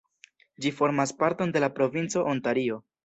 Ĝi formas parton de la provinco Ontario.